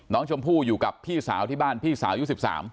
น้องชมพู่อยู่กับพี่สาวที่บ้านพี่สาวยุค๑๓